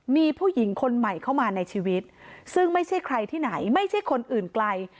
มีผู้หญิงคนใหม่เข้ามาในชีวิตซึ่งไม่ใช่ใครที่ไหนไม่ใช่คนอื่นไกล